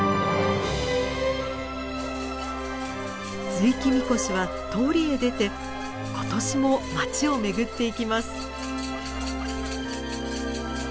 ずいき神輿は通りへ出て今年も町を巡っていきます。